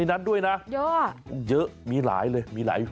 เออแหวะเยอะมีลายเลย